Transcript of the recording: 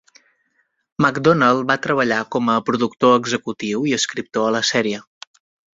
MacDonald va treballar com a productor executiu i escriptor a la sèrie.